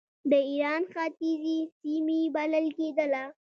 د ایران ختیځې سیمې بلل کېدله.